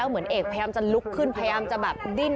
แล้วเหมือนแอกพยายามจะลุกขึ้นพยายามจะดิน